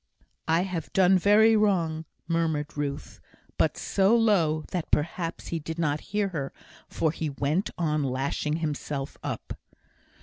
"I have done very wrong," murmured Ruth, but so low, that perhaps he did not hear her, for he went on, lashing himself up.